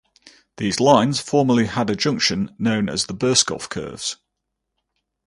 These lines formerly had a junction known as the Burscough curves.